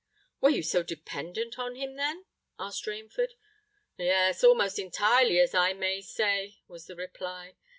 "Were you so dependent on him, then?" asked Rainford. "Yes, almost entirely, as I may say," was the reply.